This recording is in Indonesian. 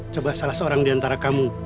coba salah seorang diantara kamu